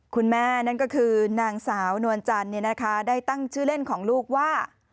นั่นก็คือนางสาวนวลจันทร์ได้ตั้งชื่อเล่นของลูกว่า